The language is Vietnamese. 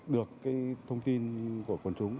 được thông tin của quần chúng